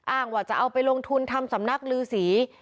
อ้างว่าจะเอาไปลงทุนทำสำนักลือสี